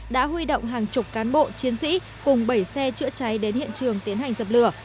đã huy động hàng chục cán bộ chiến sĩ cùng bảy xe chữa cháy đến hiện trường tiến hành dập lửa